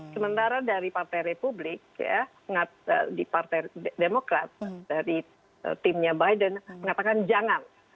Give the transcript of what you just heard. sementara dari partai republik ya di partai demokrat dari timnya biden mengatakan jangan